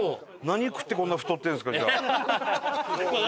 何食ってこんな太ってるんですかじゃあ。